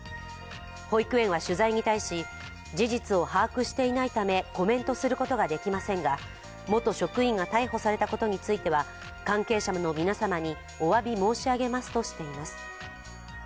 保育園は取材に対し、事実を把握していないためコメントすることができませんが、元職員が逮捕されたことについては関係者の皆様にお詫び申し上げますとしています。